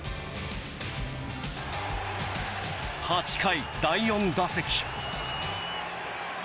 ８回第４打席。